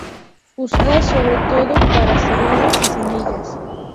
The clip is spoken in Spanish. Usada sobre todo para cereales y semillas.